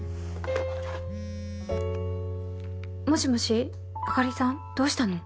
もしもしあかりさんどうしたの？